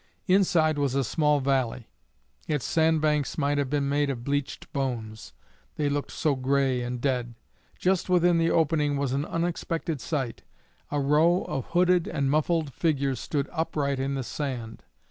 Inside was a small valley. Its sand banks might have been made of bleached bones, they looked so gray and dead. Just within the opening was an unexpected sight a row of hooded and muffled figures stood upright in the sand.